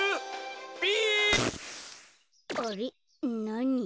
なに？